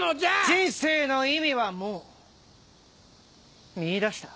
人生の意味はもう見いだした。